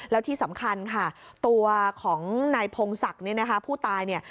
แล้วที่สำคัญค่ะตัวของนายพงศักดิ์ผู้ตาย